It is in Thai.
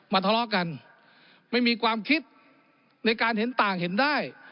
ทะเลาะกันไม่มีความคิดในการเห็นต่างเห็นได้